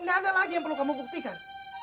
tidak ada lagi yang perlu kamu buktikan